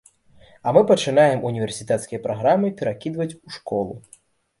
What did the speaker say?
А мы пачынаем універсітэцкія праграмы перакідваць ў школу.